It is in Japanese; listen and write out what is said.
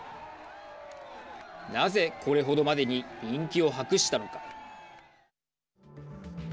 なぜ、これほどまでに人気を博したのか。